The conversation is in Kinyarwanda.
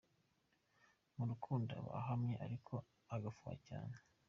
Mu rukundo aba ahamye ariko agafuha cyane.